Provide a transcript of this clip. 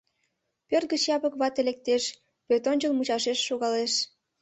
Пӧрт гыч Япык вате лектеш, пӧртӧнчыл мучашеш шогалеш.